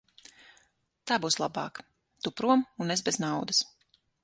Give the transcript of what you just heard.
Tā būs labāk; tu prom un es bez naudas.